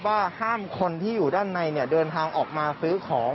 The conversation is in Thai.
ว่าห้ามคนที่อยู่ด้านในเดินทางออกมาซื้อของ